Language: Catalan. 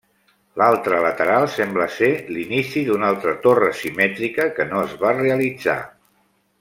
L'altre lateral sembla ser l'inici d'una altra torre simètrica, que no es va realitzar.